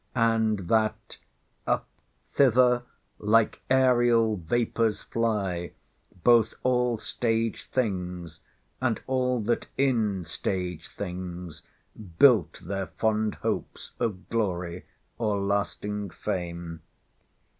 and that Up thither like aërial vapours fly Both all Stage things, and all that in Stage things Built their fond hopes of glory, or lasting fame?